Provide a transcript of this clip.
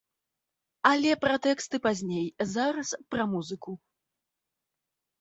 Але пра тэксты пазней, зараз пра музыку.